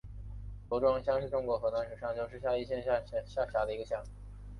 罗庄乡是中国河南省商丘市夏邑县下辖的一个乡。